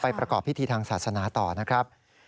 ประกอบพิธีทางศาสนาต่อนะครับ